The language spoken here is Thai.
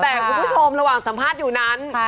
แต่คุณผู้ชมระหว่างสัมภาษณ์อยู่นั้น